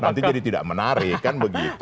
nanti jadi tidak menarik kan begitu